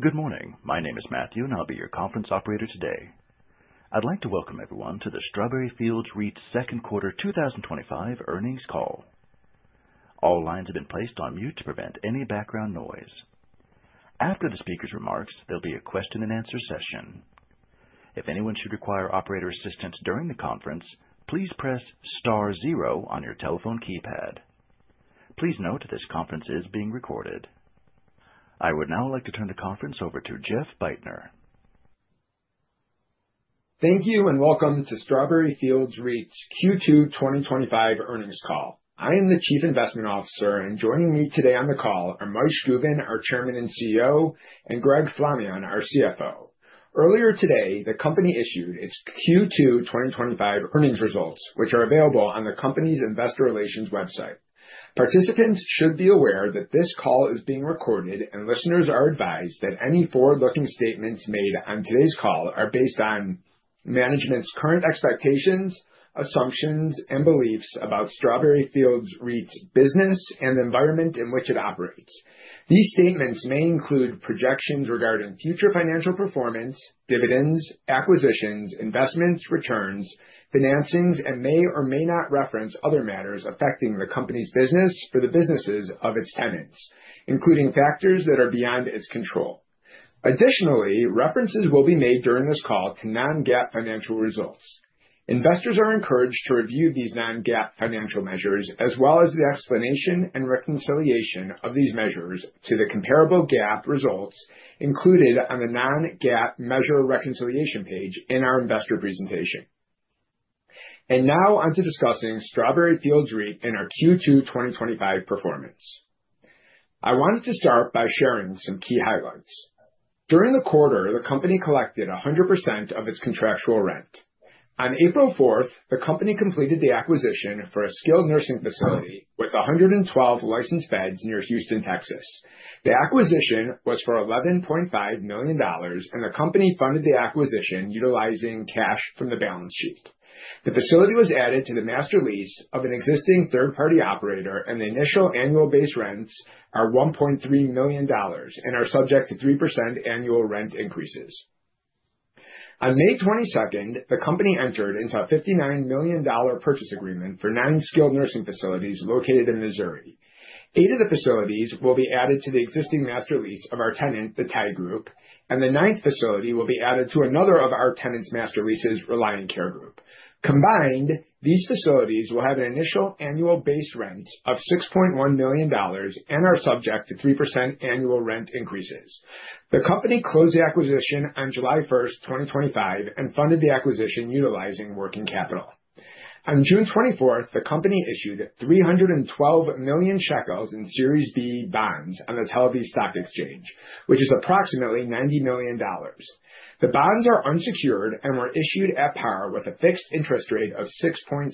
Good morning. My name is Matthew, and I'll be your conference operator today. I'd like to welcome everyone to the Strawberry Fields REIT's second quarter 2025 earnings call. All lines have been placed on mute to prevent any background noise. After the speaker's remarks, there'll be a question and answer session. If anyone should require operator assistance during the conference, please press star zero on your telephone keypad. Please note this conference is being recorded. I would now like to turn the conference over to Jeffrey Bajtner. Thank you, welcome to Strawberry Fields REIT's Q2 2025 earnings call. I am the Chief Investment Officer, joining me today on the call are Moishe Gubin, our Chairman and CEO, and Greg Flamion, our CFO. Earlier today, the company issued its Q2 2025 earnings results, which are available on the company's investor relations website. Participants should be aware that this call is being recorded, listeners are advised that any forward-looking statements made on today's call are based on management's current expectations, assumptions, and beliefs about Strawberry Fields REIT's business and the environment in which it operates. These statements may include projections regarding future financial performance, dividends, acquisitions, investments, returns, financings, and may or may not reference other matters affecting the company's business for the businesses of its tenants, including factors that are beyond its control. Additionally, references will be made during this call to non-GAAP financial results. Investors are encouraged to review these non-GAAP financial measures as well as the explanation and reconciliation of these measures to the comparable GAAP results included on the non-GAAP measure reconciliation page in our investor presentation. Now on to discussing Strawberry Fields REIT and our Q2 2025 performance. I wanted to start by sharing some key highlights. During the quarter, the company collected 100% of its contractual rent. On April 4th, the company completed the acquisition for a skilled nursing facility with 112 licensed beds near Houston, Texas. The acquisition was for $11.5 million the company funded the acquisition utilizing cash from the balance sheet. The facility was added to the master lease of an existing third-party operator, the initial annual base rents are $1.3 million and are subject to 3% annual rent increases. On May 22nd, the company entered into a $59 million purchase agreement for nine skilled nursing facilities located in Missouri. Eight of the facilities will be added to the existing master lease of our tenant, the Tryko Group, the ninth facility will be added to another of our tenant's master leases, Reliant Care Group. Combined, these facilities will have an initial annual base rent of $6.1 million and are subject to 3% annual rent increases. The company closed the acquisition on July 1st, 2025, funded the acquisition utilizing working capital. On June 24th, the company issued 312 million shekels in Series B bonds on the Tel Aviv Stock Exchange, which is approximately $90 million. The bonds are unsecured were issued at par with a fixed interest rate of 6.70%.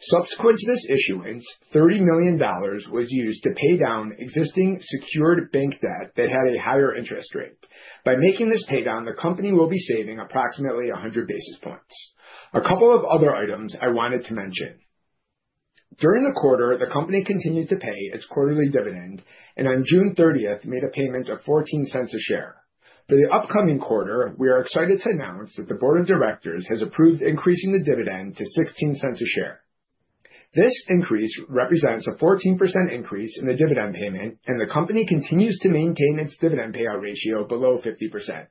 Subsequent to this issuance, $30 million was used to pay down existing secured bank debt that had a higher interest rate. By making this paydown, the company will be saving approximately 100 basis points. A couple of other items I wanted to mention. During the quarter, the company continued to pay its quarterly dividend, and on June 30th made a payment of $0.14 a share. For the upcoming quarter, we are excited to announce that the board of directors has approved increasing the dividend to $0.16 a share. This increase represents a 14% increase in the dividend payment and the company continues to maintain its dividend payout ratio below 50%.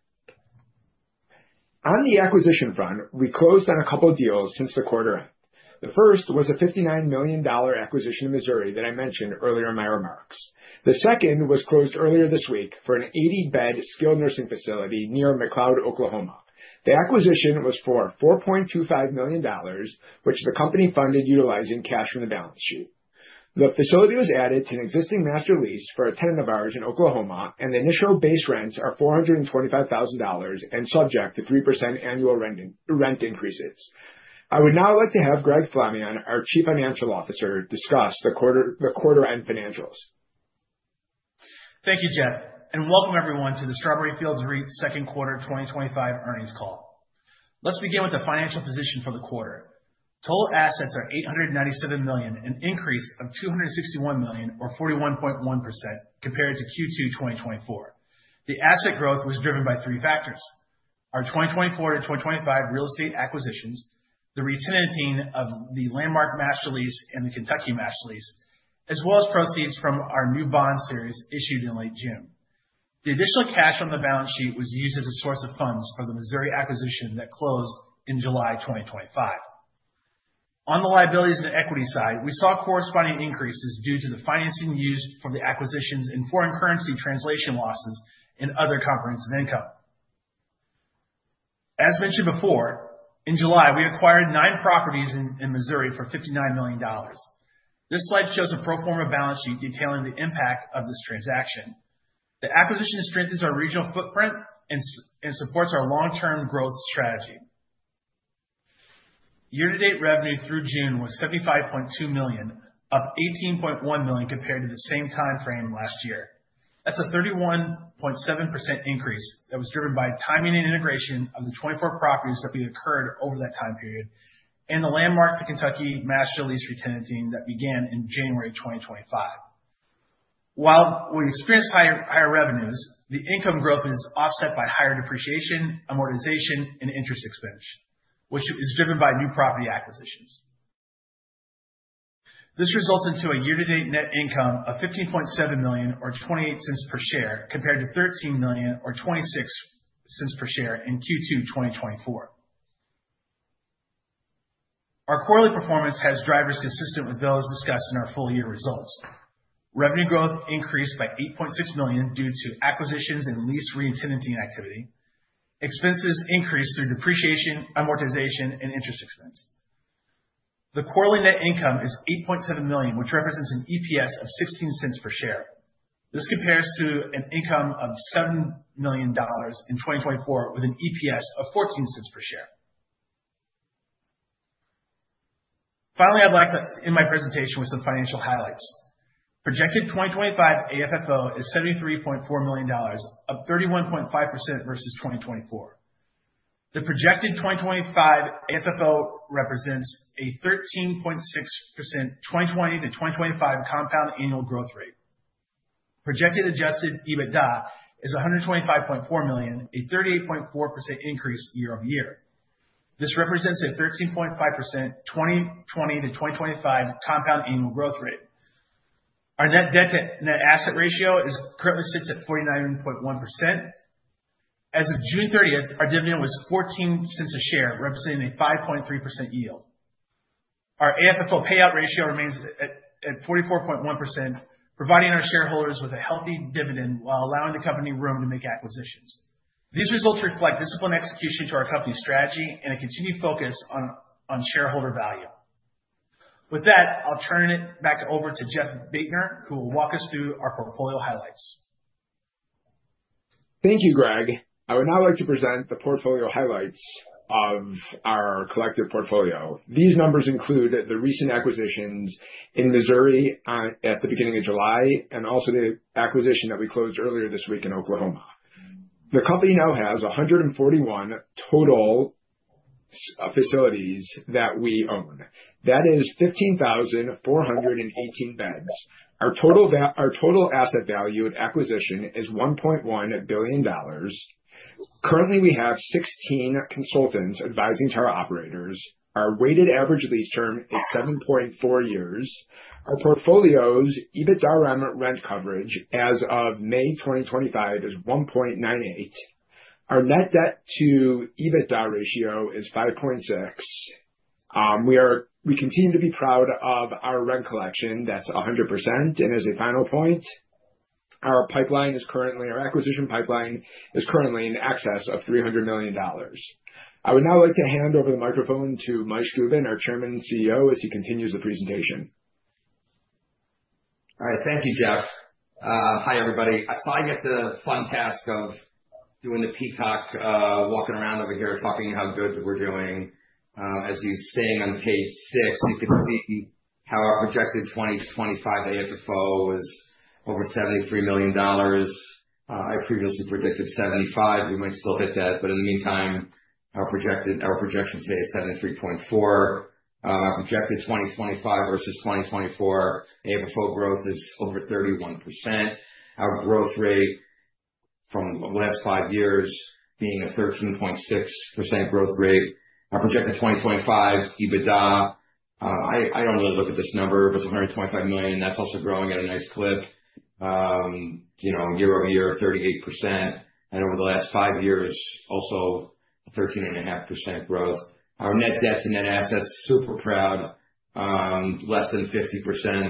On the acquisition front, we closed on a couple deals since the quarter end. The first was a $59 million acquisition in Missouri that I mentioned earlier in my remarks. The second was closed earlier this week for an 80-bed skilled nursing facility near McLoud, Oklahoma. The acquisition was for $4.25 million, which the company funded utilizing cash from the balance sheet. The facility was added to an existing master lease for a tenant of ours in Oklahoma, and the initial base rents are $425,000 and subject to 3% annual rent increases. I would now like to have Greg Flamion, our Chief Financial Officer, discuss the quarter end financials. Thank you, Jeff, and welcome everyone to the Strawberry Fields REIT's second quarter 2025 earnings call. Let's begin with the financial position for the quarter. Total assets are $897 million, an increase of $261 million or 41.1% compared to Q2 2024. The asset growth was driven by three factors. Our 2024 to 2025 real estate acquisitions, the re-tenanting of the Landmark master lease and the Kentucky master lease, as well as proceeds from our new bond series issued in late June. The additional cash on the balance sheet was used as a source of funds for the Missouri acquisition that closed in July 2025. On the liabilities and equity side, we saw corresponding increases due to the financing used from the acquisitions in foreign currency translation losses in other comprehensive income. As mentioned before, in July, we acquired nine properties in Missouri for $59 million. This slide shows a pro forma balance sheet detailing the impact of this transaction. The acquisition strengthens our regional footprint and supports our long-term growth strategy. Year-to-date revenue through June was $75.2 million, up $18.1 million compared to the same time frame last year. That's a 31.7% increase that was driven by timing and integration of the 24 properties that we occurred over that time period and the Landmark to Kentucky master lease re-tenanting that began in January 2025. While we experienced higher revenues, the income growth is offset by higher depreciation, amortization, and interest expense, which is driven by new property acquisitions. This results into a year-to-date net income of $15.7 million, or $0.28 per share, compared to $13 million or $0.26 per share in Q2 2024. Our quarterly performance has drivers consistent with those discussed in our full-year results. Revenue growth increased by $8.6 million due to acquisitions and lease re-tenanting activity. Expenses increased through depreciation, amortization, and interest expense. The quarterly net income is $8.7 million, which represents an EPS of $0.16 per share. This compares to an income of $7 million in 2024, with an EPS of $0.14 per share. Finally, I'd like to end my presentation with some financial highlights. Projected 2025 AFFO is $73.4 million, up 31.5% versus 2024. The projected 2025 AFFO represents a 13.6% 2020 to 2025 compound annual growth rate. Projected adjusted EBITDA is $125.4 million, a 38.4% increase year-over-year. This represents a 13.5% 2020 to 2025 compound annual growth rate. Our net debt to net asset ratio currently sits at 49.1%. As of June 30th, our dividend was $0.14 a share, representing a 5.3% yield. Our AFFO payout ratio remains at 44.1%, providing our shareholders with a healthy dividend while allowing the company room to make acquisitions. These results reflect disciplined execution to our company strategy and a continued focus on shareholder value. With that, I'll turn it back over to Jeffrey Bajtner, who will walk us through our portfolio highlights. Thank you, Greg. I would now like to present the portfolio highlights of our collective portfolio. These numbers include the recent acquisitions in Missouri at the beginning of July and also the acquisition that we closed earlier this week in Oklahoma. The company now has 141 total facilities that we own. That is 15,418 beds. Our total asset value at acquisition is $1.1 billion. Currently, we have 16 consultants advising to our operators. Our weighted average lease term is 7.4 years. Our portfolio's EBITDA rent coverage as of May 2025 is 1.98. Our net debt to EBITDA ratio is 5.6. We continue to be proud of our rent collection. That's 100%. As a final point, our acquisition pipeline is currently in excess of $300 million. I would now like to hand over the microphone to Moishe Gubin, our Chairman and CEO, as he continues the presentation. All right. Thank you, Jeff. Hi, everybody. I get the fun task of doing the peacock, walking around over here, talking how good we're doing. As you see on page six, you can see how our projected 2025 AFFO is over $73 million. I previously predicted $75 million. We might still hit that. In the meantime, our projection today is $73.4 million. Our projected 2025 versus 2024 AFFO growth is over 31%. Our growth rate from the last five years being a 13.6% growth rate. Our projected 2025 EBITDA, I don't really look at this number, but it's $125 million. That's also growing at a nice clip, year-over-year, 38%, and over the last five years, also 13.5% growth. Our net debts and net assets, super proud, less than 50%.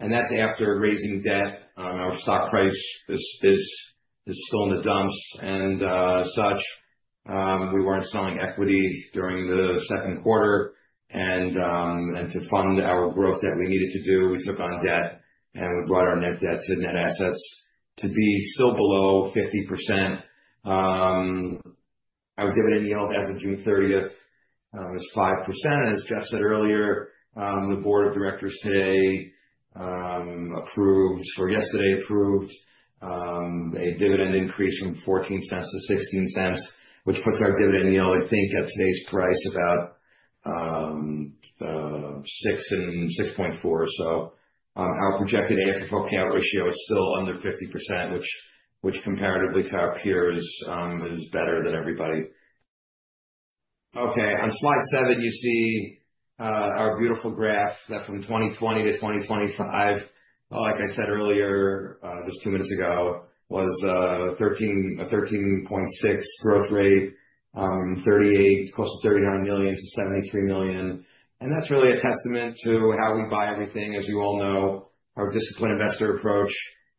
That's after raising debt. Our stock price is still in the dumps and such. We weren't selling equity during the second quarter, to fund our growth that we needed to do, we took on debt, we brought our net debts and net assets to be still below 50%. Our dividend yield as of June 30th was 5%. As Jeff said earlier, the board of directors today, or yesterday, approved a dividend increase from $0.14 to $0.16, which puts our dividend yield, I think, at today's price, about 6.4% or so. Our projected AFFO payout ratio is still under 50%, which comparatively to our peers, is better than everybody. Okay. On slide seven, you see our beautiful graph that from 2020 to 2025, like I said earlier, just two minutes ago, was a 13.6% growth rate, close to $39 million to $73 million. That's really a testament to how we buy everything. As you all know, our disciplined investor approach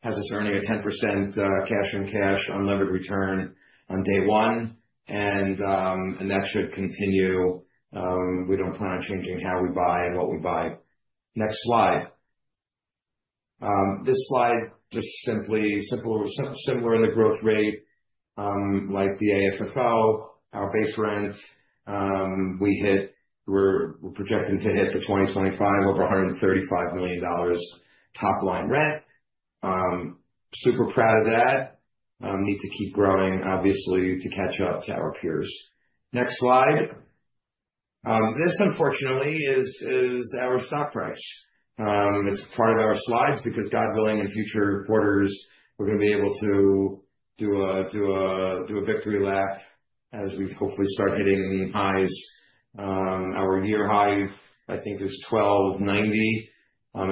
has us earning a 10% cash-on-cash unlevered return on day one, that should continue. We don't plan on changing how we buy and what we buy. Next slide. This slide, just similar in the growth rate, like the AFFO, our base rent, we're projecting to hit for 2025, over $135 million top-line rent. Super proud of that. Need to keep growing, obviously, to catch up to our peers. Next slide. This unfortunately is our stock price. It's part of our slides because God willing, in future quarters, we're going to be able to do a victory lap as we hopefully start hitting new highs. Our year high, I think is $12.90,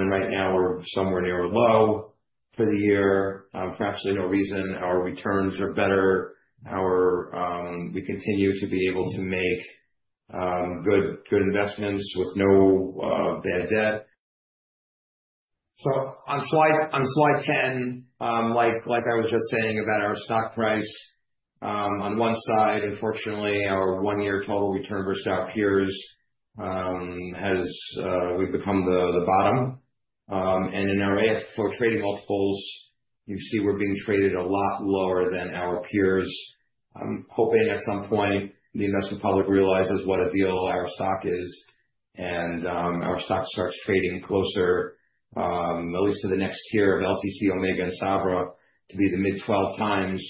right now we're somewhere near a low for the year for absolutely no reason. Our returns are better. We continue to be able to make good investments with no bad debt. On slide 10, like I was just saying about our stock price. On one side, unfortunately, our one-year total return versus our peers, we've become the bottom. In our AFFO trading multiples, you see we're being traded a lot lower than our peers. I'm hoping at some point the investment public realizes what a deal our stock is and our stock starts trading closer, at least to the next tier of LTC, Omega, and Sabra, to be the mid 12 times,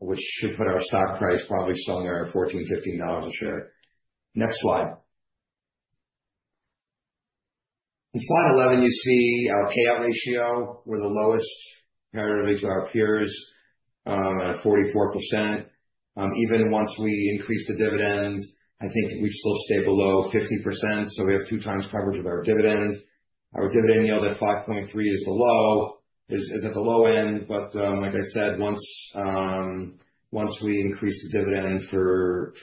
which should put our stock price probably somewhere around $14, $15 a share. Next slide. In slide 11, you see our payout ratio. We're the lowest comparatively to our peers at 44%. Even once we increase the dividend, I think we still stay below 50%, so we have two times coverage of our dividend. Our dividend yield at 5.3% is at the low end, but like I said, once we increase the dividend for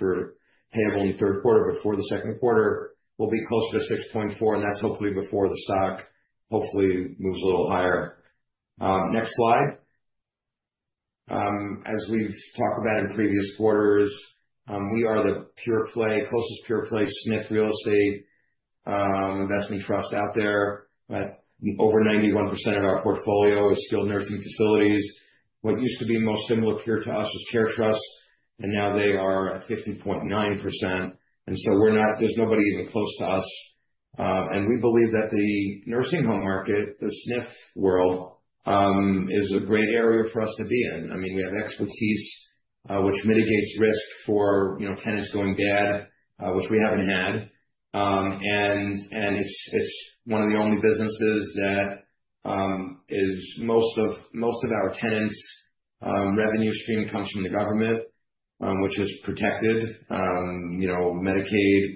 payable in the third quarter, but for the second quarter, we'll be closer to 6.4%, that's hopefully before the stock hopefully moves a little higher. Next slide. As we've talked about in previous quarters, we are the closest pure play SNF real estate investment trust out there. Over 91% of our portfolio is skilled nursing facilities. What used to be the most similar peer to us was CareTrust, and now they are at 50.9%. There's nobody even close to us. We believe that the nursing home market, the SNF world, is a great area for us to be in. We have expertise which mitigates risk for tenants going bad, which we haven't had. It's one of the only businesses that most of our tenants' revenue stream comes from the government, which is protected. Medicaid,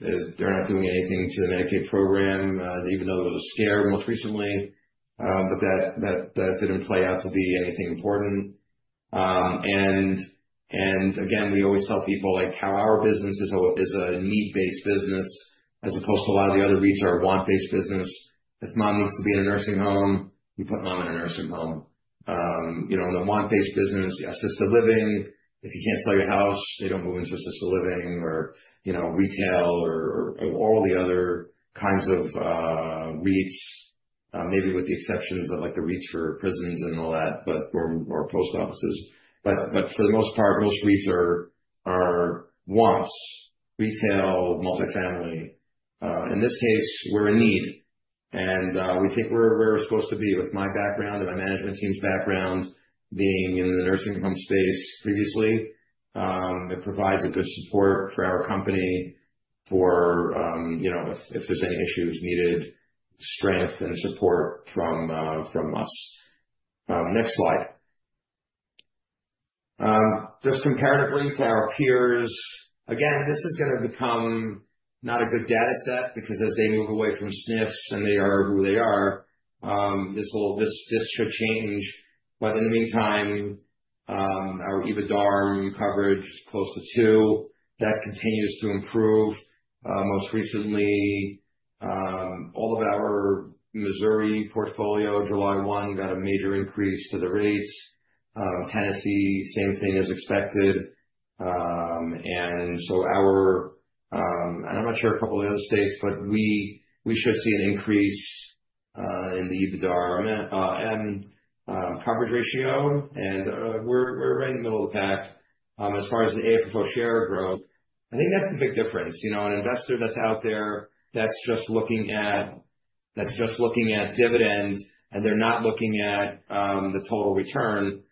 they're not doing anything to the Medicaid program, even though there was a scare most recently. That didn't play out to be anything important. Again, we always tell people how our business is a need-based business as opposed to a lot of the other REITs are want-based business. If mom needs to be in a nursing home, you put mom in a nursing home. In a want-based business, you have assisted living. If you can't sell your house, you don't move into assisted living or retail or all the other kinds of REITs. Maybe with the exceptions of the REITs for prisons and all that or post offices. For the most part, most REITs are wants, retail, multifamily. In this case, we're a need, and we think we're where we're supposed to be with my background and my management team's background being in the nursing home space previously. It provides a good support for our company for if there's any issues needed, strength and support from us. Next slide. Just comparatively to our peers. Again, this is going to become not a good data set because as they move away from SNFs and they are who they are, this should change. In the meantime, our EBITDARM coverage is close to 2. That continues to improve. Most recently, all of our Missouri portfolio, July 1, got a major increase to the rates. Tennessee, same thing as expected. I'm not sure a couple of the other states, we should see an increase in the EBITDARM coverage ratio, and we're right in the middle of the pack. As far as the AFFO share growth, I think that's the big difference. An investor that's out there that's just looking at dividends and they're not looking at the total return,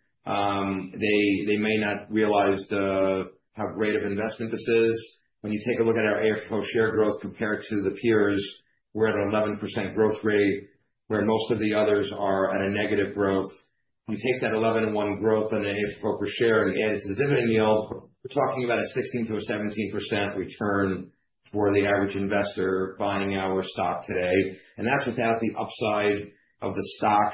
they may not realize how great of an investment this is. When you take a look at our AFFO share growth compared to the peers, we're at an 11% growth rate, where most of the others are at a negative growth. We take that 11 and one growth on an AFFO per share and add it to the dividend yield, we're talking about a 16%-17% return for the average investor buying our stock today, and that's without the upside of the stock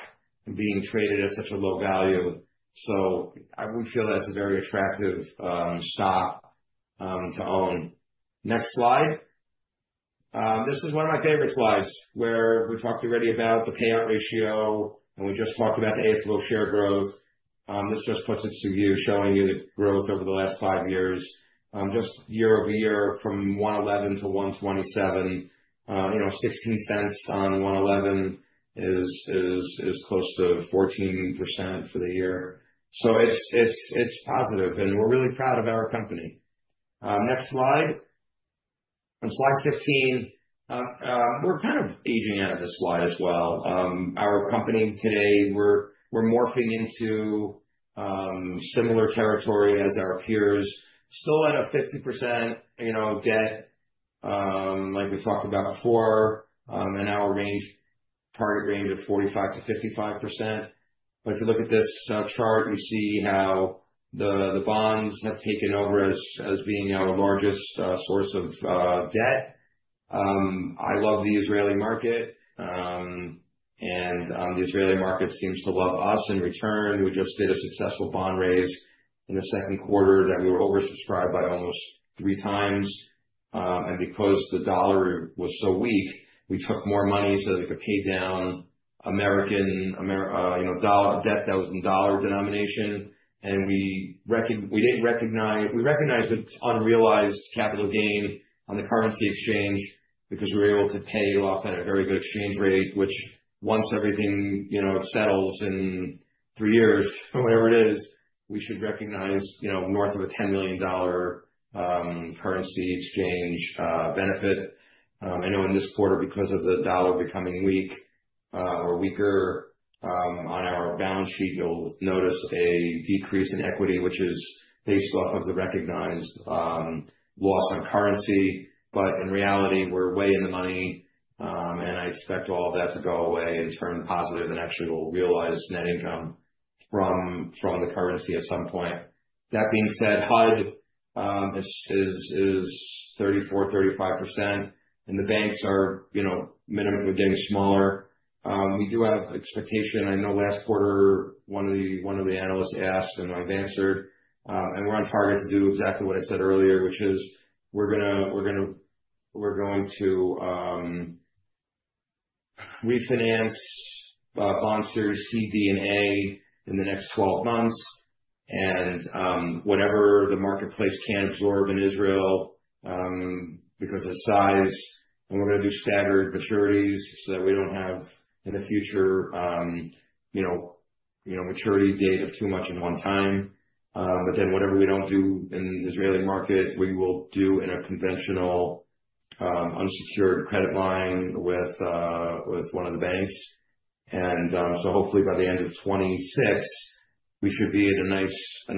being traded at such a low value. We feel that's a very attractive stock to own. Next slide. This is one of my favorite slides, where we talked already about the payout ratio, and we just talked about the AFFO share growth. This just puts it to you, showing you the growth over the last five years. Just year-over-year from 111 to 127. $0.60 on 111 is close to 14% for the year. It's positive, and we're really proud of our company. Next slide. On slide 15, we're kind of aging out of this slide as well. Our company today, we're morphing into similar territory as our peers. Still at a 50% debt, like we talked about before, and our target range of 45%-55%. If you look at this chart, you see how the bonds have taken over as being our largest source of debt. I love the Israeli market. The Israeli market seems to love us in return. We just did a successful bond raise in the second quarter that we were oversubscribed by almost three times. Because the dollar was so weak, we took more money so that we could pay down American debt that was in dollar denomination. We recognized its unrealized capital gain on the currency exchange because we were able to pay off at a very good exchange rate, which once everything settles in three years or whatever it is, we should recognize north of a $10 million currency exchange benefit. I know in this quarter, because of the dollar becoming weak or weaker on our balance sheet, you'll notice a decrease in equity, which is based off of the recognized loss on currency. In reality, we're way in the money, and I expect all of that to go away and turn positive and actually we'll realize net income from the currency at some point. That being said, HUD is 34%-35%, and the banks are minimum and getting smaller. We do have expectation. I know last quarter one of the analysts asked, I've answered, and we're on target to do exactly what I said earlier, which is we're going to refinance Bond C, D, and A in the next 12 months. Whatever the marketplace can absorb in Israel, because of size, we're going to do staggered maturities so that we don't have, in the future, maturity date of too much in one time. Whatever we don't do in the Israeli market, we will do in a conventional unsecured credit line with one of the banks. Hopefully by the end of 2026, we should be at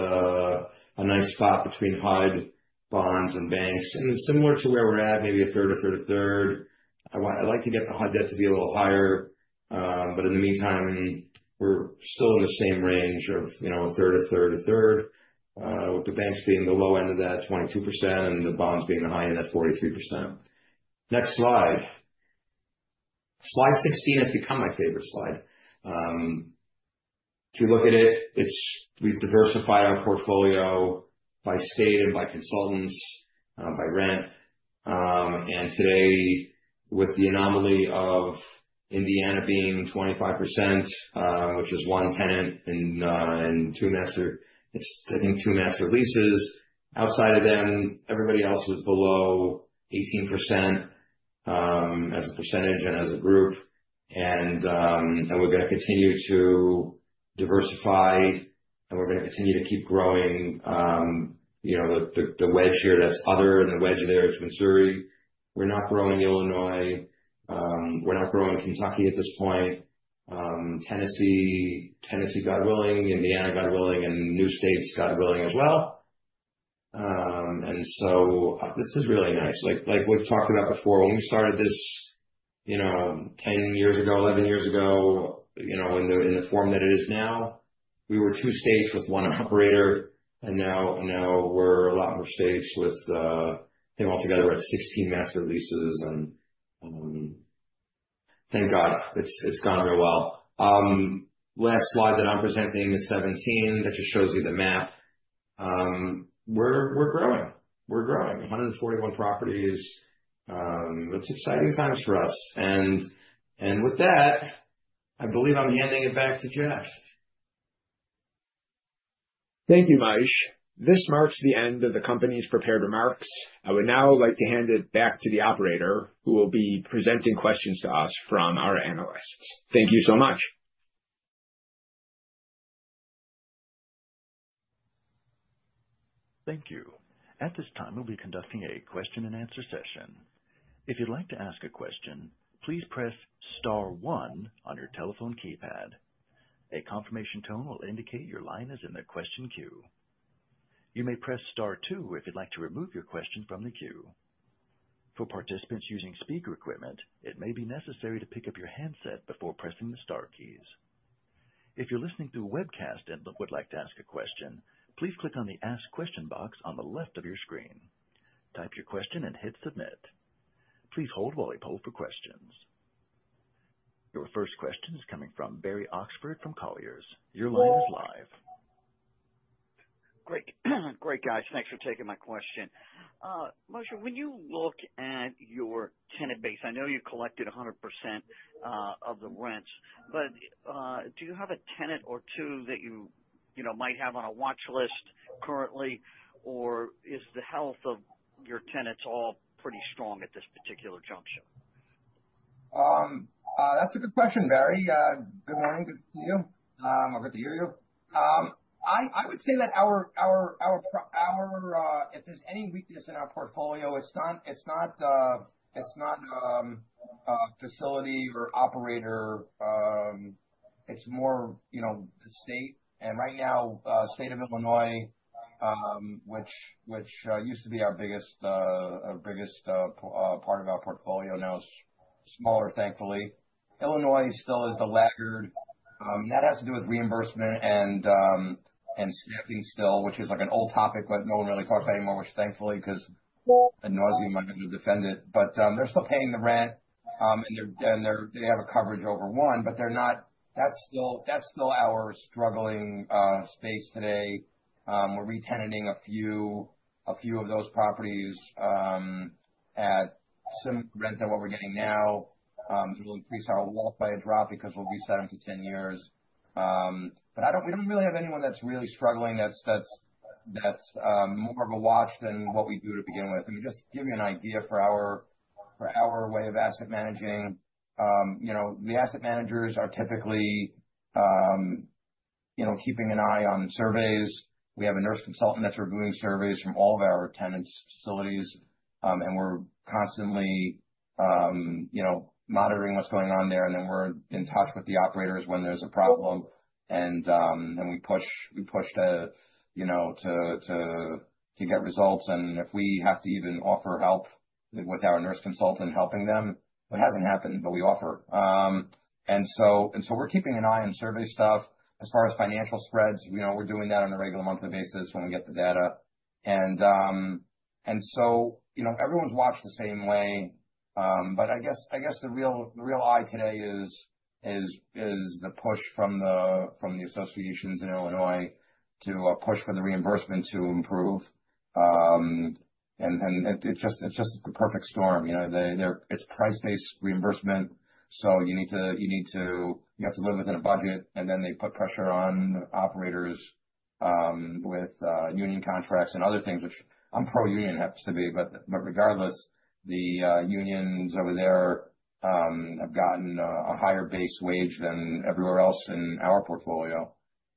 a nice spot between HUD bonds and banks. Similar to where we're at, maybe a third, a third, a third. I'd like to get the HUD debt to be a little higher. In the meantime, we're still in the same range of a third, a third, a third, with the banks being the low end of that 22% and the bonds being the high end at 43%. Next slide. Slide 16 has become my favorite slide. If you look at it, we've diversified our portfolio by state and by consultants, by rent. Today, with the anomaly of Indiana being 25%, which is one tenant and I think two master leases. Outside of them, everybody else is below 18% as a percentage and as a group. We're going to continue to diversify, and we're going to continue to keep growing the wedge here that's other and the wedge there is Missouri. We're not growing Illinois. We're not growing Kentucky at this point. Tennessee, God willing, Indiana, God willing, and new states, God willing as well. This is really nice. Like we've talked about before, when we started this 10 years ago, 11 years ago, in the form that it is now, we were two states with one operator, now we're a lot more states with, I think altogether we're at 16 master leases and thank God it's gone very well. Last slide that I'm presenting is 17. That just shows you the map. We're growing. 141 properties. It's exciting times for us. With that, I believe I'm handing it back to Jeff. Thank you, Moishe. This marks the end of the company's prepared remarks. I would now like to hand it back to the operator who will be presenting questions to us from our analysts. Thank you so much. Thank you. At this time, we'll be conducting a question and answer session. If you'd like to ask a question, please press star one on your telephone keypad. A confirmation tone will indicate your line is in the question queue. You may press star two if you'd like to remove your question from the queue. For participants using speaker equipment, it may be necessary to pick up your handset before pressing the star keys. If you're listening through webcast and would like to ask a question, please click on the Ask Question box on the left of your screen. Type your question and hit Submit. Please hold while we poll for questions. Your first question is coming from Barry Oxford from Colliers Securities. Your line is live. Great, guys. Thanks for taking my question. Moishe, when you look at your tenant base, I know you collected 100% of the rents, do you have a tenant or two that you might have on a watch list currently, or is the health of your tenants all pretty strong at this particular juncture? That's a good question, Barry. Good morning. Good to see you. Or good to hear you. I would say that if there's any weakness in our portfolio, it's not facility or operator, it's more state. Right now, state of Illinois, which used to be our biggest part of our portfolio, now it's smaller, thankfully. Illinois still is the laggard. That has to do with reimbursement and staffing still, which is like an old topic, but no one really talks about anymore, which thankfully because ad nauseam, I'm going to defend it. They're still paying the rent, and they have a coverage over one, but that's still our struggling space today. We're re-tenanting a few of those properties at some rent than what we're getting now. It'll increase our wallet by a drop because we'll lease that into 10 years. We don't really have anyone that's really struggling, that's more of a watch than what we do to begin with. Let me just give you an idea for our way of asset managing. The asset managers are typically keeping an eye on surveys. We have a nurse consultant that's reviewing surveys from all of our tenants' facilities. We're constantly monitoring what's going on there, and then we're in touch with the operators when there's a problem. Then we push to get results, and if we have to even offer help with our nurse consultant helping them, it hasn't happened, but we offer. We're keeping an eye on survey stuff. As far as financial spreads, we're doing that on a regular monthly basis when we get the data. Everyone's watched the same way. I guess the real eye today is the push from the associations in Illinois to push for the reimbursement to improve. It's just the perfect storm. It's price-based reimbursement, so you have to live within a budget, and then they put pressure on operators with union contracts and other things, which I'm pro-union, have to be, but regardless, the unions over there have gotten a higher base wage than everywhere else in our portfolio,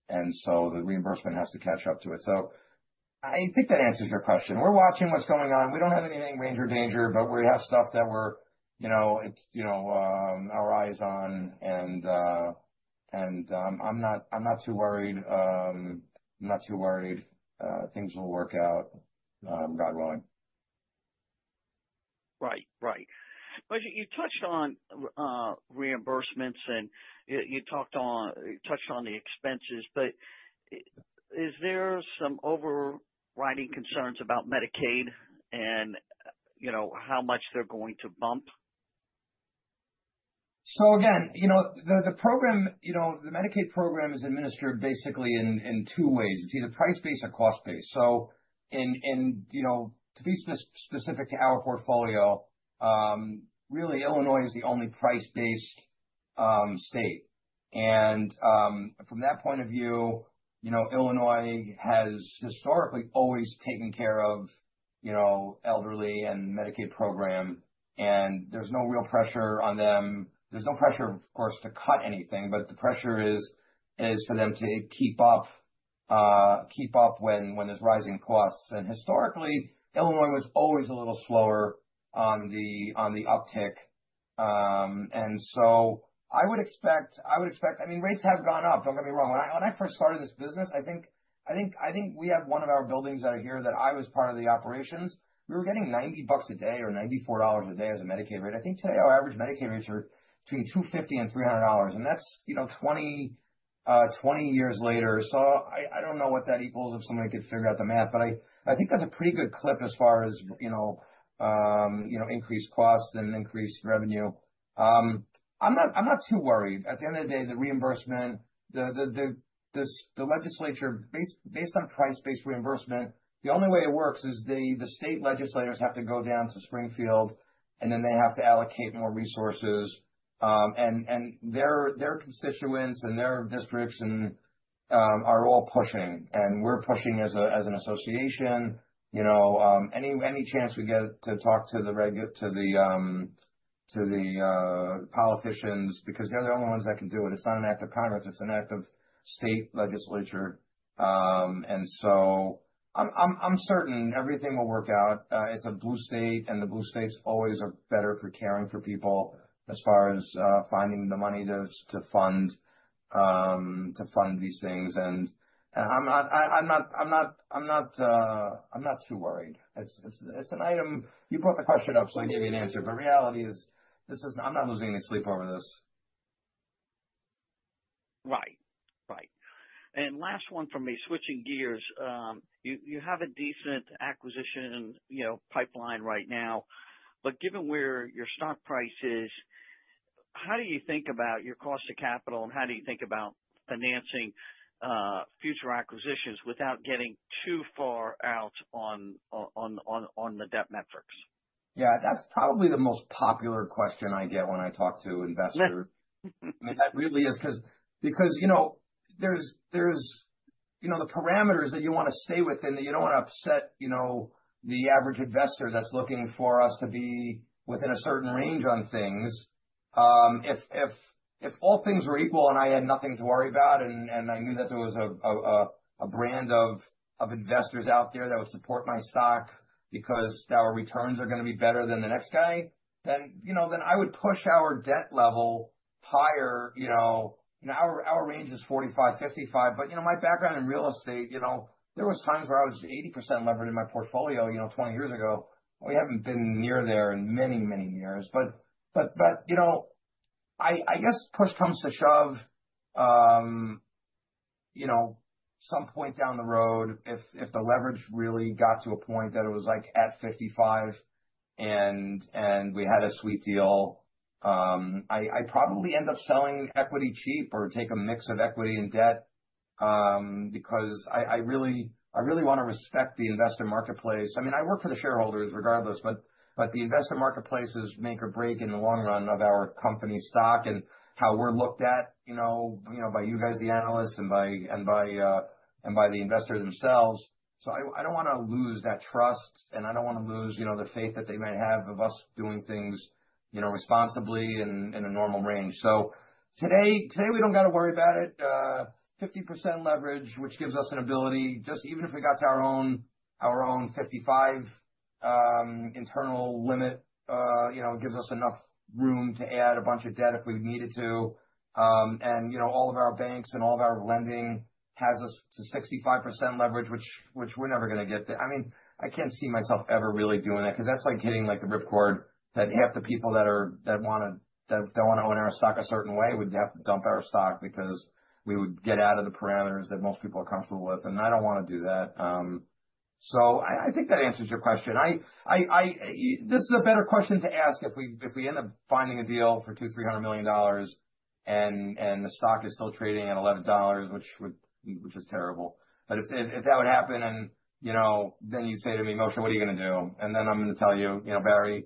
and so the reimbursement has to catch up to it. I think that answers your question. We're watching what's going on. We don't have anything major danger, but we have stuff that our eye is on, and I'm not too worried. Things will work out, God willing. Right. You touched on reimbursements, and you touched on the expenses, but is there some overriding concerns about Medicaid and how much they're going to bump? Again, the Medicaid program is administered basically in two ways. It's either price-based or cost-based. To be specific to our portfolio, really, Illinois is the only price-based state. From that point of view, Illinois has historically always taken care of elderly and Medicaid program, and there's no real pressure on them. There's no pressure, of course, to cut anything, but the pressure is for them to keep up when there's rising costs. Historically, Illinois was always a little slower on the uptick. I would expect, rates have gone up, don't get me wrong. When I first started this business, I think we have one of our buildings that are here that I was part of the operations. We were getting $90 a day or $94 a day as a Medicaid rate. I think today our average Medicaid rates are between $250 and $300, and that's 20 years later. I don't know what that equals if somebody could figure out the math, but I think that's a pretty good clip as far as increased costs and increased revenue. I'm not too worried. At the end of the day, the reimbursement, the legislature, based on price-based reimbursement, the only way it works is the state legislators have to go down to Springfield, and then they have to allocate more resources. Their constituents and their districts are all pushing, and we're pushing as an association. Any chance we get to talk to the politicians, because they're the only ones that can do it. It's not an act of Congress, it's an act of state legislature. I'm certain everything will work out. It's a blue state, and the blue states always are better for caring for people as far as finding the money to fund these things. I'm not too worried. You brought the question up, so I gave you an answer. Reality is I'm not losing any sleep over this. Right. Last one from me, switching gears. You have a decent acquisition pipeline right now. Given where your stock price is, how do you think about your cost of capital, and how do you think about financing future acquisitions without getting too far out on the debt metrics? Yeah. That's probably the most popular question I get when I talk to investors. It really is because there's The parameters that you want to stay within, that you don't want to upset the average investor that's looking for us to be within a certain range on things. If all things were equal and I had nothing to worry about, and I knew that there was a brand of investors out there that would support my stock because our returns are going to be better than the next guy, then I would push our debt level higher. Our range is 45%-55%, but my background in real estate, there was times where I was 80% levered in my portfolio 20 years ago. We haven't been near there in many, many years. I guess push comes to shove, some point down the road, if the leverage really got to a point that it was like at 55% and we had a sweet deal, I'd probably end up selling equity cheap or take a mix of equity and debt, because I really want to respect the investor marketplace. I work for the shareholders regardless, the investor marketplace is make or break in the long run of our company stock and how we're looked at by you guys, the analysts, and by the investors themselves. I don't want to lose that trust, and I don't want to lose the faith that they might have of us doing things responsibly and in a normal range. Today, we don't got to worry about it. 50% leverage, which gives us an ability, just even if we got to our own 55% internal limit, gives us enough room to add a bunch of debt if we needed to. All of our banks and all of our lending has us to 65% leverage, which we're never going to get to. I can't see myself ever really doing that, because that's like hitting the rip cord that half the people that want to own our stock a certain way would have to dump our stock because we would get out of the parameters that most people are comfortable with, and I don't want to do that. I think that answers your question. This is a better question to ask if we end up finding a deal for $200 million-$300 million and the stock is still trading at $11, which is terrible. If that would happen and then you say to me, "Moishe, what are you going to do?" I'm going to tell you, "Barry,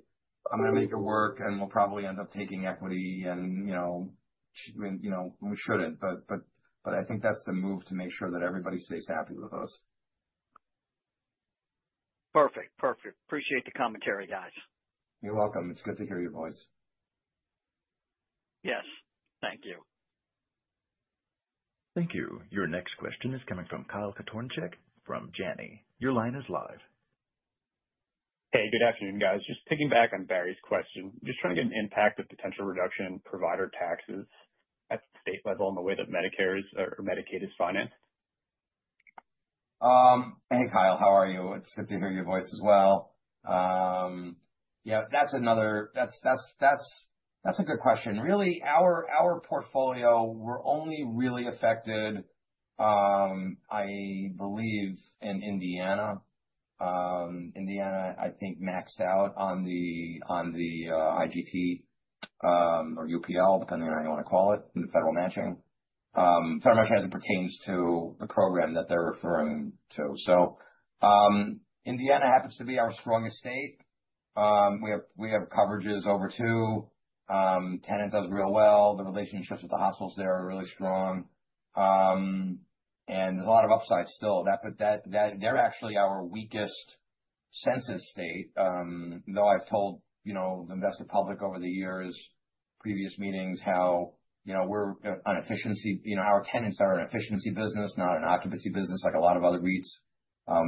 I'm going to make it work, we'll probably end up taking equity," we shouldn't, I think that's the move to make sure that everybody stays happy with us. Perfect. Appreciate the commentary, guys. You're welcome. It's good to hear your voice. Yes. Thank you. Thank you. Your next question is coming from Kyle Katorincek from Janney. Your line is live. Hey, good afternoon, guys. Just piggyback on Barry's question. Just trying to get an impact of potential reduction in provider taxes at the state level and the way that Medicare is or Medicaid is financed. Kyle, how are you? It's good to hear your voice as well. That's a good question. Really, our portfolio, we're only really affected, I believe, in Indiana. Indiana, I think, maxed out on the IGT, or UPL, depending on how you want to call it, and the federal matching. Federal matching as it pertains to the program that they're referring to. Indiana happens to be our strongest state. We have coverages over two. Tenant does real well. The relationships with the hospitals there are really strong. There's a lot of upside still. They're actually our weakest census state, though I've told the investor public over the years, previous meetings, how our tenants are an efficiency business, not an occupancy business like a lot of other REITs.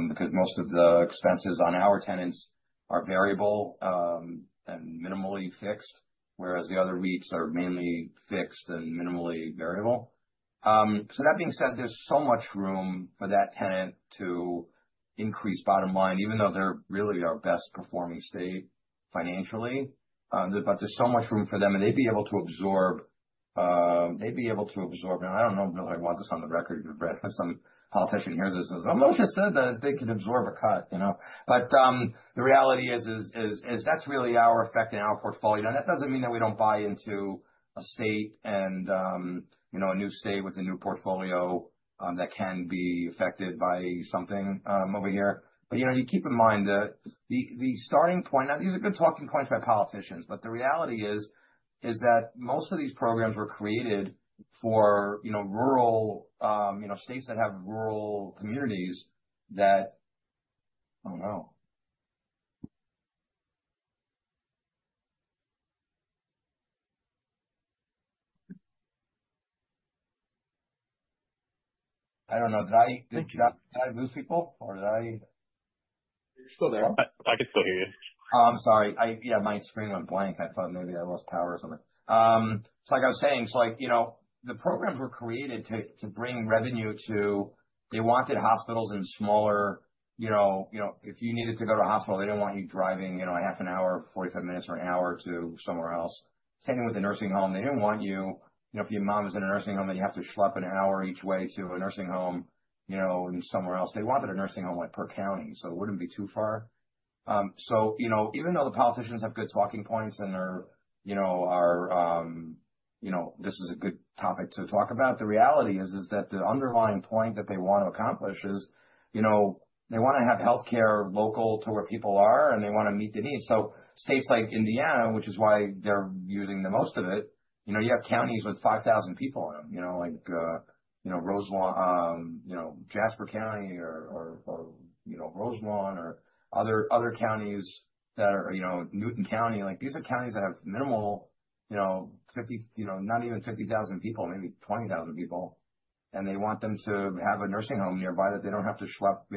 Because most of the expenses on our tenants are variable, and minimally fixed, whereas the other REITs are mainly fixed and minimally variable. That being said, there's so much room for that tenant to increase bottom line, even though they're really our best performing state financially. There's so much room for them, and they'd be able to absorb. I don't know if I want this on the record if some politician hears this and says, "Moishe said that they could absorb a cut." The reality is that's really our effect in our portfolio. Now, that doesn't mean that we don't buy into a state and a new state with a new portfolio that can be affected by something over here. You keep in mind that the starting point. These are good talking points by politicians, the reality is that most of these programs were created for states that have rural communities that I don't know. I don't know. Did I lose people or did I- You're still there. I can still hear you. Oh, I'm sorry. Yeah, my screen went blank, and I thought maybe I lost power or something. Like I was saying, if you needed to go to a hospital, they didn't want you driving a half an hour, 45 minutes, or an hour to somewhere else. Same with the nursing home. They didn't want you, if your mom is in a nursing home, that you have to schlep an hour each way to a nursing home somewhere else. They wanted a nursing home per county, it wouldn't be too far. Even though the politicians have good talking points and this is a good topic to talk about, the reality is that the underlying point that they want to accomplish is they want to have healthcare local to where people are, and they want to meet the needs. States like Indiana, which is why they're using the most of it. You have counties with 5,000 people in them, like Jasper County or Roselawn or other counties, Newton County. These are counties that have not even 50,000 people, maybe 20,000 people, and they want them to have a nursing home nearby that they don't have to schlep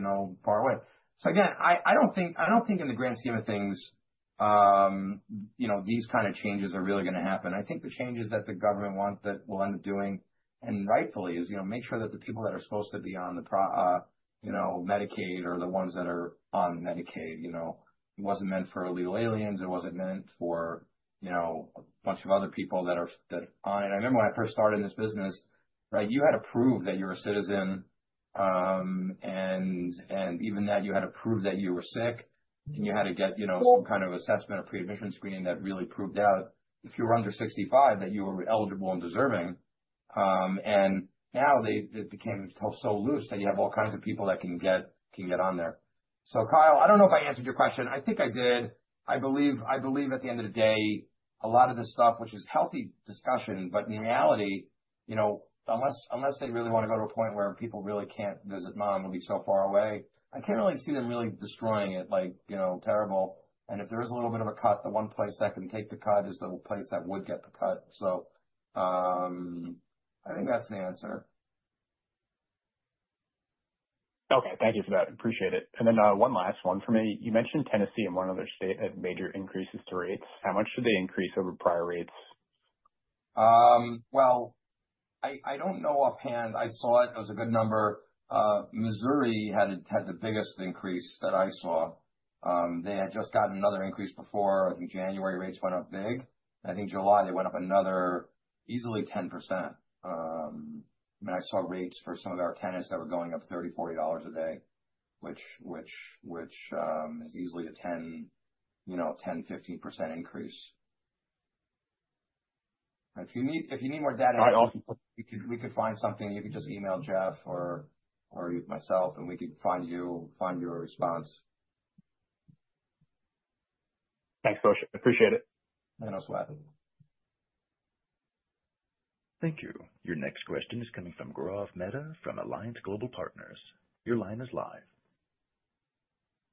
far away. Again, I don't think in the grand scheme of things, these kind of changes are really going to happen. I think the changes that the government want, that we'll end up doing, and rightfully, is make sure that the people that are supposed to be on Medicaid are the ones that are on Medicaid. It wasn't meant for illegal aliens. It wasn't meant for a bunch of other people that are on it. I remember when I first started in this business, you had to prove that you're a citizen, and even that you had to prove that you were sick, and you had to get some kind of assessment or pre-admission screening that really proved out, if you were under 65, that you were eligible and deserving. Now it became so loose that you have all kinds of people that can get on there. Kyle, I don't know if I answered your question. I think I did. I believe at the end of the day, a lot of this stuff, which is healthy discussion, but in reality, unless they really want to go to a point where people really can't visit mom and be so far away, I can't really see them really destroying it terrible. If there is a little bit of a cut, the one place that can take the cut is the place that would get the cut. I think that's the answer. Okay. Thank you for that. Appreciate it. Then one last one from me. You mentioned Tennessee and one other state had major increases to rates. How much did they increase over prior rates? Well, I don't know offhand. I saw it. It was a good number. Missouri had the biggest increase that I saw. They had just gotten another increase before. I think January rates went up big. I think July they went up another easily 10%. I saw rates for some of our tenants that were going up $30, $40 a day, which, is easily a 10%-15% increase. If you need more data. I also. We could find something. You could just email Jeff or myself, and we could find you a response. Thanks, Moishe. Appreciate it. No, I was laughing. Thank you. Your next question is coming from Gaurav Mehta from Alliance Global Partners. Your line is live.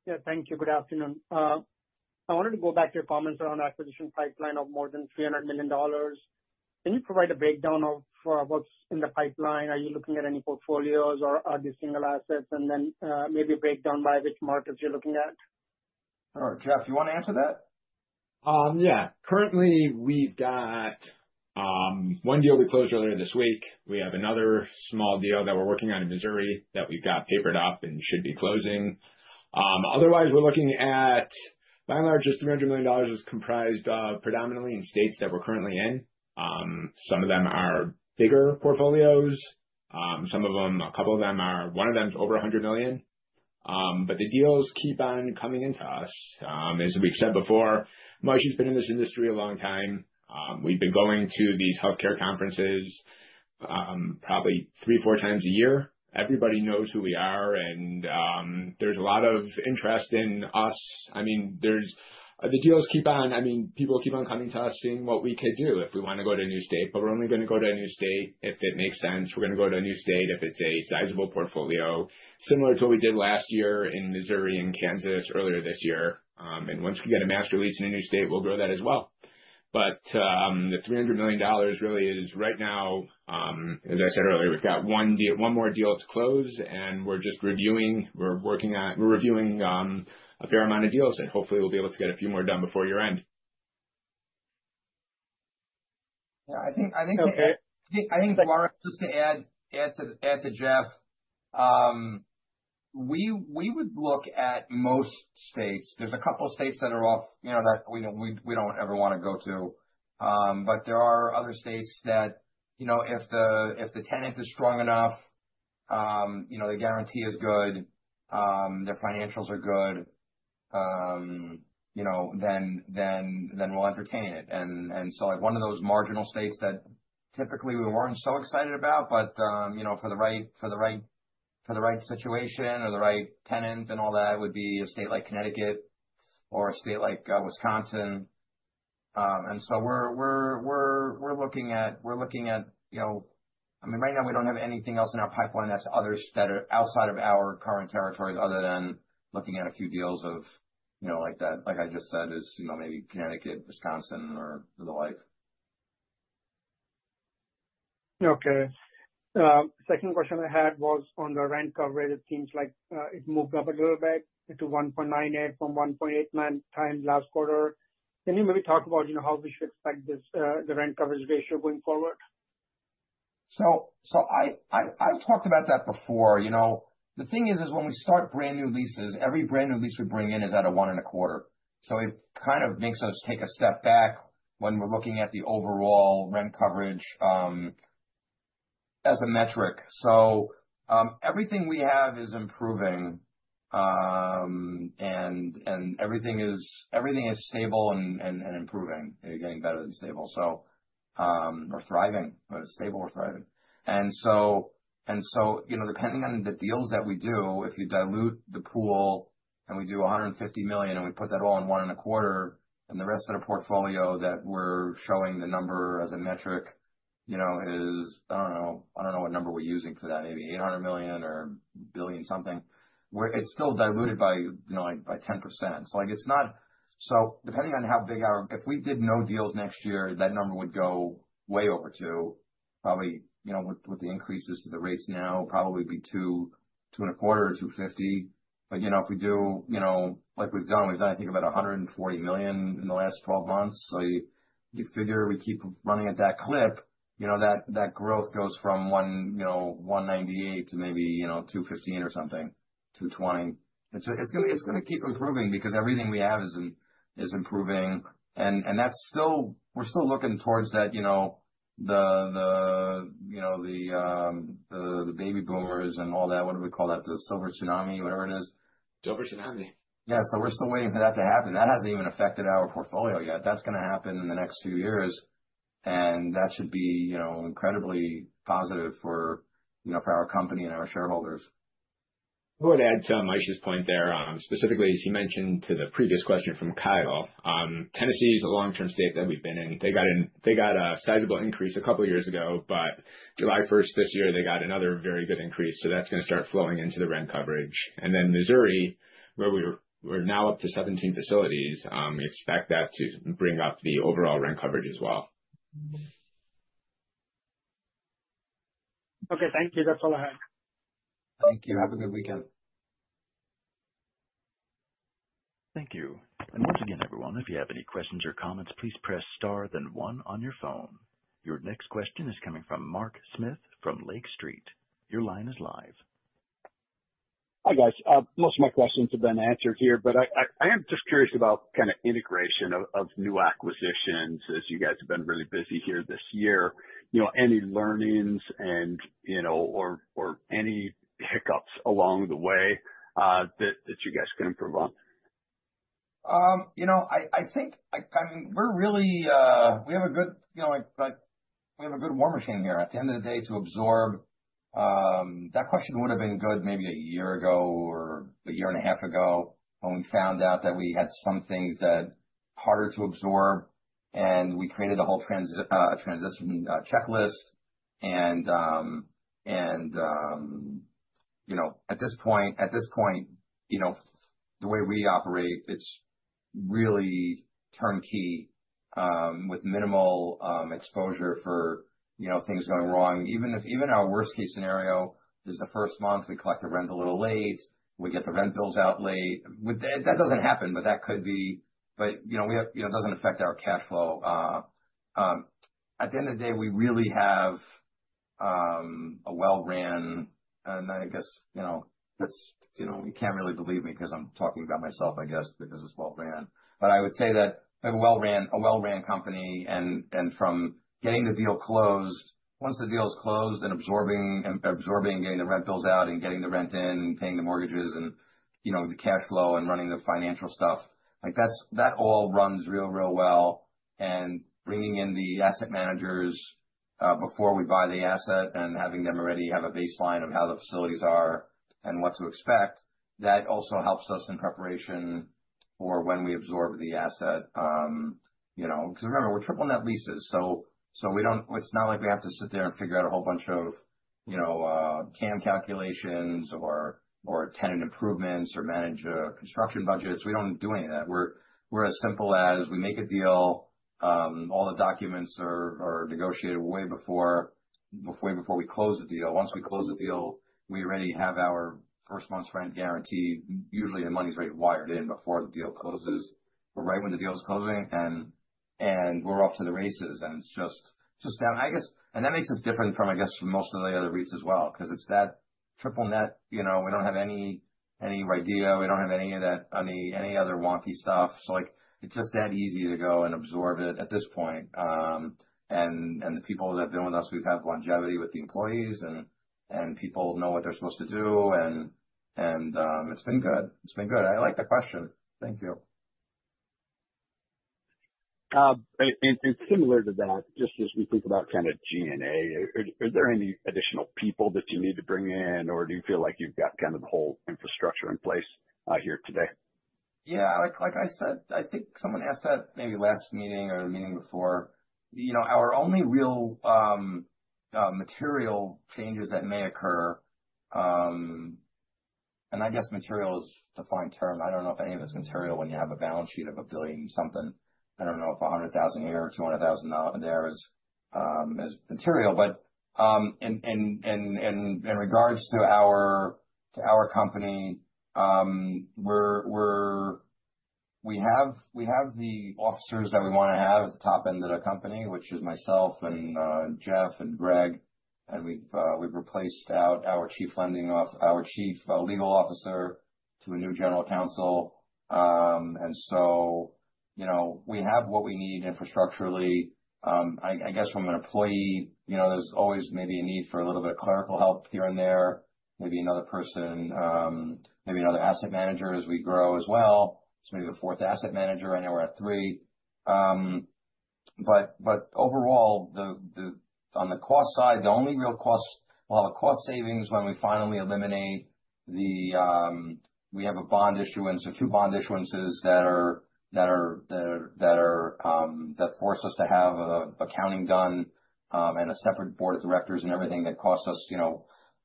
Yeah, thank you. Good afternoon. I wanted to go back to your comments around acquisition pipeline of more than $300 million. Can you provide a breakdown of what's in the pipeline? Are you looking at any portfolios or are they single assets? Then, maybe a breakdown by which markets you're looking at. All right. Jeff, you want to answer that? Yeah. Currently, we've got one deal we closed earlier this week. We have another small deal that we're working on in Missouri that we've got papered up and should be closing. Otherwise, we're looking at, by and large, this $300 million is comprised of predominantly in states that we're currently in. Some of them are bigger portfolios. One of them is over $100 million. The deals keep on coming in to us. As we've said before, Moishe's been in this industry a long time. We've been going to these healthcare conferences, probably three, four times a year. Everybody knows who we are, and there's a lot of interest in us. The deals keep on. People keep on coming to us, seeing what we could do if we want to go to a new state. We're only going to go to a new state if it makes sense. We're going to go to a new state if it's a sizable portfolio, similar to what we did last year in Missouri and Kansas earlier this year. Once we get a master lease in a new state, we'll grow that as well. The $300 million really is right now, as I said earlier, we've got one more deal to close, and we're just reviewing a fair amount of deals, and hopefully we'll be able to get a few more done before year-end. Yeah, I think, Gaurav, just to add to Jeff. We would look at most states. There's a couple of states that are off that we don't ever want to go to. There are other states that if the tenant is strong enough, the guarantee is good, their financials are good, then we'll entertain it. One of those marginal states that typically we weren't so excited about, but for the right situation or the right tenant and all that, would be a state like Connecticut or a state like Wisconsin. Right now, we don't have anything else in our pipeline that's others that are outside of our current territories other than looking at a few deals of like I just said is maybe Connecticut, Wisconsin, or the like. Okay. Second question I had was on the rent coverage. It seems like it moved up a little bit to 1.98 from 1.89 times last quarter. Can you maybe talk about how we should expect the rent coverage ratio going forward? I talked about that before. The thing is when we start brand new leases, every brand new lease we bring in is at a 1.25. It kind of makes us take a step back when we're looking at the overall rent coverage, as a metric. Everything we have is improving. Everything is stable and improving, getting better than stable, or thriving, stable or thriving. Depending on the deals that we do, if you dilute the pool and we do $150 million, and we put that all in 1.25, and the rest of the portfolio that we're showing the number as a metric is, I don't know what number we're using for that, maybe $800 million or $1 billion something, where it's still diluted by 10%. If we did no deals next year, that number would go way over to probably, with the increases to the rates now, probably be $225 or $250. If we do like we've done, I think, about $140 million in the last 12 months. You figure we keep running at that clip, that growth goes from $198 to maybe $215 or something, $220. It's going to keep improving because everything we have is improving, and we're still looking towards the baby boomers and all that. What do we call that, the silver tsunami, whatever it is. Silver tsunami. Yeah. We're still waiting for that to happen. That hasn't even affected our portfolio yet. That's going to happen in the next few years, and that should be incredibly positive for our company and our shareholders. I would add to Moishe's point there, specifically, as you mentioned to the previous question from Kyle. Tennessee is a long-term state that we've been in. They got a sizable increase a couple of years ago, but July 1st this year, they got another very good increase, so that's going to start flowing into the rent coverage. Missouri, where we're now up to 17 facilities, we expect that to bring up the overall rent coverage as well. Okay. Thank you. That's all I have. Thank you. Have a good weekend. Thank you. Once again, everyone, if you have any questions or comments, please press star then one on your phone. Your next question is coming from Mark Smith from Lake Street. Your line is live. Hi, guys. Most of my questions have been answered here. I am just curious about kind of integration of new acquisitions as you guys have been really busy here this year. Any learnings or any hiccups along the way that you guys can improve on? We have a good war machine here. At the end of the day, to absorb that question would've been good maybe a year ago or a year and a half ago, when we found out that we had some things that harder to absorb, and we created a whole transition checklist. At this point, the way we operate, it's really turnkey, with minimal exposure for things going wrong. Even our worst case scenario is the first month, we collect the rent a little late. We get the rent bills out late. That doesn't happen, but it doesn't affect our cash flow. At the end of the day, we really have a well-ran, and I guess, you can't really believe me because I'm talking about myself, I guess, because it's well-ran. I would say that we have a well-ran company, and from getting the deal closed, once the deal is closed and absorbing, getting the rent bills out and getting the rent in, and paying the mortgages and the cash flow and running the financial stuff, that all runs real well. Bringing in the asset managers, before we buy the asset and having them already have a baseline of how the facilities are and what to expect, that also helps us in preparation for when we absorb the asset. Remember, we're triple net leases, so it's not like we have to sit there and figure out a whole bunch of CAM calculations or tenant improvements or manage construction budgets. We don't do any of that. We're as simple as we make a deal, all the documents are negotiated way before we close the deal. Once we close the deal, we already have our first month's rent guaranteed. Usually, the money's already wired in before the deal closes or right when the deal is closing, and we're off to the races, and it's just that. That makes us different from, I guess, from most of the other REITs as well because it's that triple net. We don't have any RIDEA. We don't have any of that, any other wonky stuff. Like, it's just that easy to go and absorb it at this point. The people that have been with us, we've had longevity with the employees, and people know what they're supposed to do, and it's been good. I like that question. Thank you. Similar to that, just as we think about kind of G&A, are there any additional people that you need to bring in, or do you feel like you've got kind of the whole infrastructure in place here today? Like I said, I think someone asked that maybe last meeting or the meeting before. Our only real material changes that may occur, I guess material is a defined term. I don't know if any of it's material when you have a balance sheet of a billion something. I don't know if 100,000 here or $200,000 there is material. In regards to our company, we have the officers that we want to have at the top end of the company, which is myself and Jeff and Greg, and we've replaced our Chief Legal Officer to a new General Counsel. We have what we need infrastructurally. I guess from an employee, there's always maybe a need for a little bit of clerical help here and there. Maybe another person, maybe another asset manager as we grow as well. Maybe the fourth asset manager. I know we're at three. Overall, on the cost side, the only real cost, well, the cost savings when we finally eliminate We have a bond issuance or two bond issuances that force us to have accounting done, and a separate board of directors and everything that costs us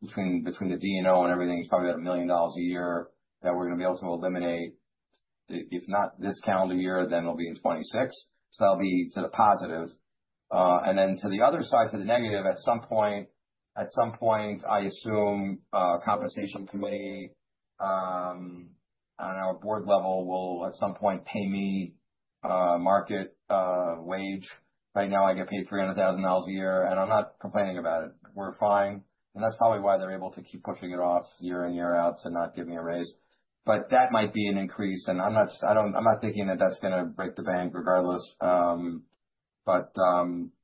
between the D&O and everything, it's probably about $1 million a year that we're going to be able to eliminate. If not this calendar year, it'll be in 2026. That'll be to the positive. To the other side, the negative, at some point, I assume compensation committee on our board level will at some point pay me market wage. Right now, I get paid $300,000 a year, I'm not complaining about it. We're fine, that's probably why they're able to keep pushing it off year in, year out to not give me a raise. That might be an increase, I'm not thinking that that's going to break the bank regardless.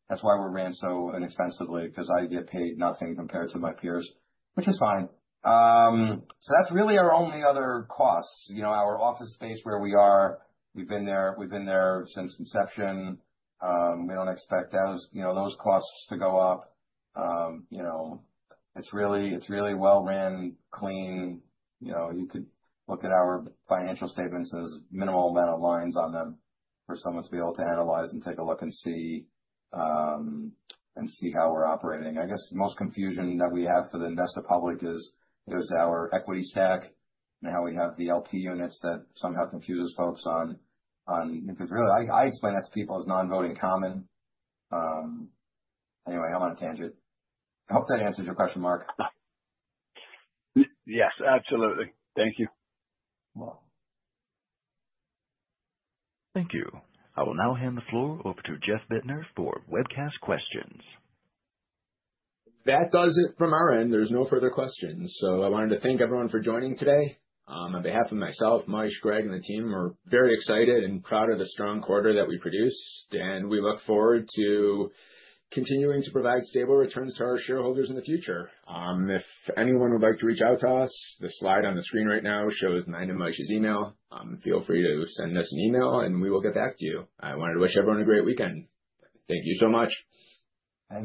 That's why we're ran so inexpensively, because I get paid nothing compared to my peers, which is fine. That's really our only other cost. Our office space where we are, we've been there since inception. We don't expect those costs to go up. It's really well-ran, clean. You could look at our financial statements, there's minimal amount of lines on them for someone to be able to analyze and take a look and see how we're operating. I guess the most confusion that we have for the investor public is our equity stack, how we have the LP units that somehow confuses folks on. Really, I explain that to people as non-voting common. Anyway, I'm on a tangent. I hope that answers your question, Mark. Yes, absolutely. Thank you. You're welcome. Thank you. I will now hand the floor over to Jeff Bajtner for webcast questions. That does it from our end. There's no further questions. I wanted to thank everyone for joining today. On behalf of myself, Moishe, Greg, and the team, we're very excited and proud of the strong quarter that we produced, and we look forward to continuing to provide stable returns to our shareholders in the future. If anyone would like to reach out to us, the slide on the screen right now shows mine and Moishe's email. Feel free to send us an email and we will get back to you. I wanted to wish everyone a great weekend. Thank you so much.